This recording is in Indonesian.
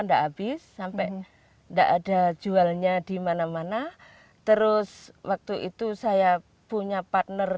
enggak habis sampai enggak ada jualnya dimana mana terus waktu itu saya punya partner